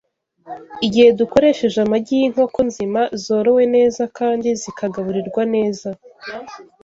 igihe dukoresheje amagi y’inkoko nzima zorowe neza kandi zikagaburirwa neza